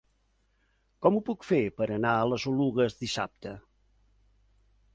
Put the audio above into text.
Com ho puc fer per anar a les Oluges dissabte?